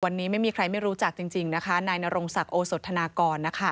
วันนี้ไม่มีใครไม่รู้จักจริงนะคะนายนรงศักดิ์โอสธนากรนะคะ